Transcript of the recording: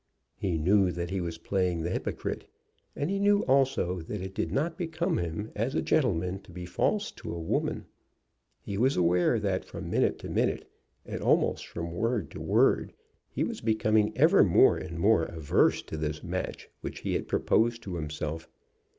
He knew that he was playing the hypocrite, and he knew also that it did not become him as a gentleman to be false to a woman. He was aware that from minute to minute, and almost from word to word, he was becoming ever more and more averse to this match which he had proposed to himself.